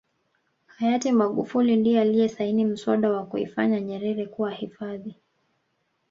hayati magufuli ndiye aliyesaini mswada wa kuifanya nyerere kuwa hifadhi